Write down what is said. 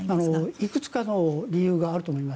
いくつかの理由があると思います。